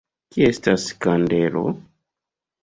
Kie estas kandelo?